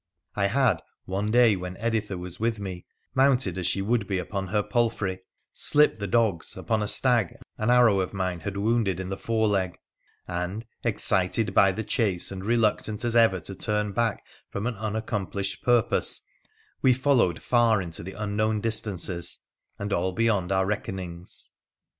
I had, one day when Editha was with me, mounted as she would be upon her palfrey, slipped the dogs upon a stag an arrow of mine had wounded in the foreleg, and, excited by the chase and reluctant as ever to turn back from an unaccomplished purpose, we fol lowed far into the unknown distances, and all beyond our reckonings.